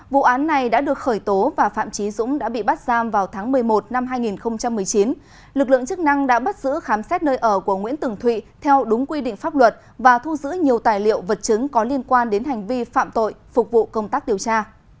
vụ án này đã được khởi tố và phạm trí dũng đã bị bắt giam vào tháng một mươi một năm hai nghìn một mươi chín lực lượng chức năng đã bắt giữ khám xét nơi ở của nguyễn tường thụy theo đúng quy định pháp luật và thu giữ nhiều tài liệu vật chứng có liên quan đến hành vi phạm tội phục vụ công tác điều tra